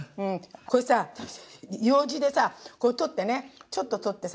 これさようじでさ取ってねちょっと取ってさ